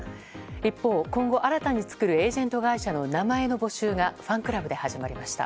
一方、今後新たに作るエージェント会社の名前の募集がファンクラブで始まりました。